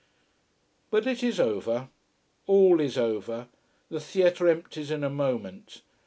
But it is over. All is over. The theatre empties in a moment.